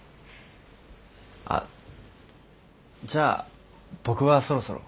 あっじゃあ僕はそろそろ。